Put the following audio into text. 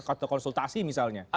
kata konsultasi misalnya